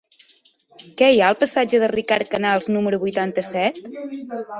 Què hi ha al passatge de Ricard Canals número vuitanta-set?